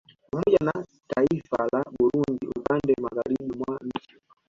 Pamoja na taiifa la Burundi upande Magharibi mwa nchi